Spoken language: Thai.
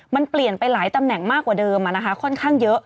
มันเปลี่ยนไปหลายตำแหน่งมากกว่าเดิมค่อนข้างเยอะ